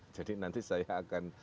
jadi nanti saya akan